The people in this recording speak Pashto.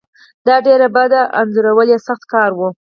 دا ډیر بد و او انځورول یې سخت کار و